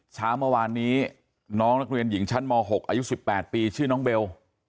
เช้าเมื่อวานนี้น้องนักเรียนหญิงชั้นม๖อายุ๑๘ปีชื่อน้องเบล